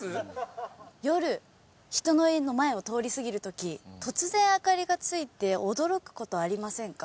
夜人の家の前を通り過ぎる時突然明かりがついて驚く事ありませんか？